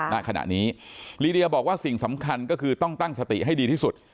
ณขณะนี้ลีเดียบอกว่าสิ่งสำคัญก็คือต้องตั้งสติให้ดีที่สุด